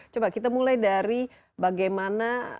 coba kita mulai dari bagaimana